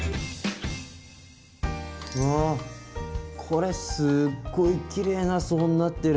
うわこれすっごいきれいな層になってる。